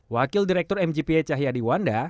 wakil direktur mgpa cahyadi wanda